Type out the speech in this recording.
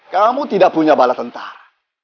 kamu tidak punya bala tentara